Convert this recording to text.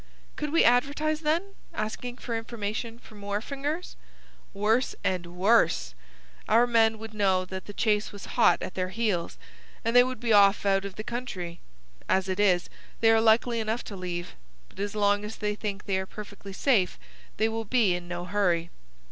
"Could we advertise, then, asking for information from wharfingers?" "Worse and worse! Our men would know that the chase was hot at their heels, and they would be off out of the country. As it is, they are likely enough to leave, but as long as they think they are perfectly safe they will be in no hurry.